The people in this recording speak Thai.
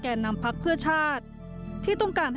แก่นำพลักษณ์เพื่อชาติ